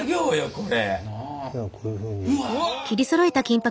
これ。